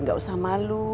gak usah malu